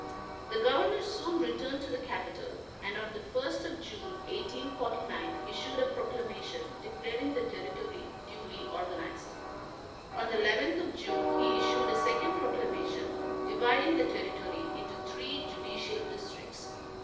The governor soon returned to the capital, and on the 1st of June, 1849, issued a proclamation, declaring the territory duly organized. On the 11th of June he issued a second proclamation, dividing the territory into three judicial districts.